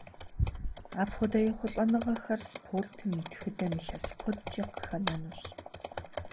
Апхуэдэ ехъулӏэныгъэхэр спортым и тхыдэм илъэс куэдкӏэ къыхэнэнущ.